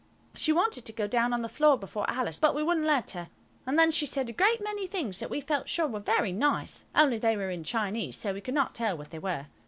She wanted to go down on the floor before Alice, but we wouldn't let her. Then she said a great many things that we feel sure were very nice, only they were in Chinese, so we could not tell what they were.